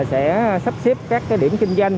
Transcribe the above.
sẽ sắp xếp các điểm kinh doanh